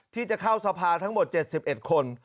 ที่จะเข้าสภาทั้งหมด๗๑คน